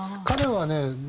彼はね